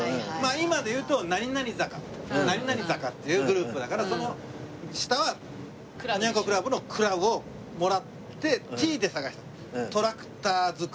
今でいうと何々坂何々坂っていうグループだからその下はおニャン子クラブの「クラブ」をもらって「Ｔ」で探した。